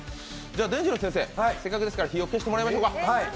でんじろう先生、せっかくですから火を消してもらいましょうか。